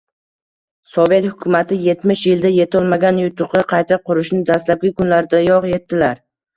«Sovet hukumati... yetmish yilda yetolmagan yutuqqa, qayta qurishni dastlabki kunlaridayoq... yetdilar!